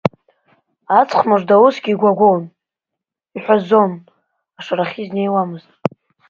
Аҵх мыжда усгьы игәагәон, иҳәазон, ашарахь изнеиуамызт.